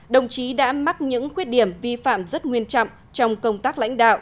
đồng chí đã mắc những khuyết điểm vi phạm rất nguyên trọng trong công tác lãnh đạo